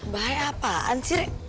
bahaya apaan sih re